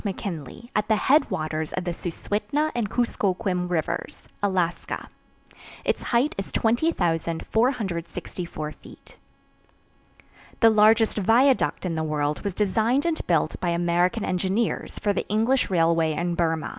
McKinley, at the headwaters of the Suswhitna and Kuskokwim rivers, Alaska. Its height is 20,464 feet. The largest viaduct in the world was designed and built by American engineers for the English railway in Burma.